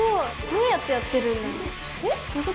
どうやってやってるんだろう？